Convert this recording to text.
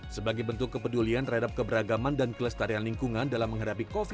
sebagai bentuk kepedulian terhadap keberagaman dan kelestarian lingkungan dalam menghadapi covid sembilan belas